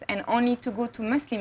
dan hanya untuk pergi ke wilayah muslim